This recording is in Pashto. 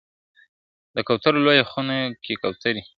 د کوترو لویه خونه کي کوتري `